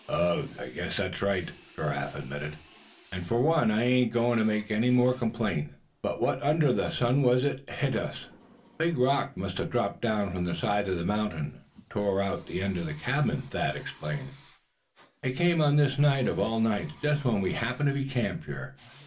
"Ugh! guess that's right," Giraffe admitted; "and for one I ain't goin' to make any more complaint. But what under the sun was it hit us?" "A big rock must have dropped down from the side of the mountain, and tore out the end of the old cabin," Thad explained. "It came on this night of all nights, just when we happened to be camped here.